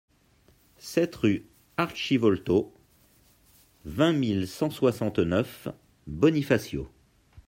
sept rue Archivolto, vingt mille cent soixante-neuf Bonifacio